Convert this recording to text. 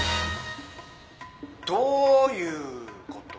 どういうこと？